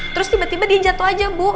terus tiba tiba dia jatuh aja bu